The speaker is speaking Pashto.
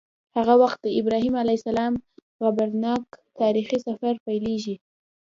هغه وخت د ابراهیم علیه السلام عبرتناک تاریخي سفر پیلیږي.